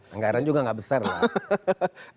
anggaran juga nggak besar lah